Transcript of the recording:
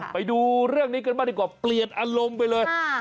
ไปดูเรื่องนี้กันบ้างดีกว่าเปลี่ยนอารมณ์ไปเลย